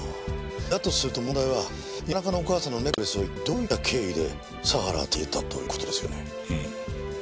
だとすると問題は谷中のお母さんのネックレスを一体どういった経緯で佐原が手に入れたかという事ですよね。